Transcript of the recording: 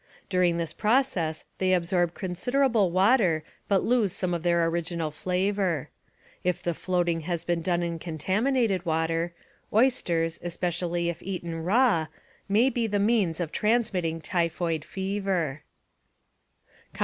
During this process they absorb considerable water but lose some of their original flavor. If the floating has been done in contaminated water, oysters, especially if eaten raw, may be the means of transmitting typhoid fever.